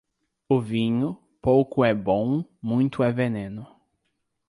O vinho, pouco é bom, muito é veneno.